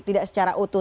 tidak secara utuh